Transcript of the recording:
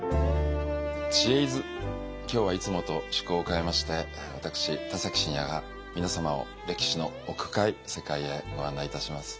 今日はいつもと趣向を変えまして私田崎真也が皆様を歴史の奥深い世界へご案内いたします。